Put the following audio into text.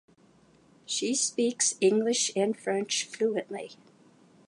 She speaks English and French fluently.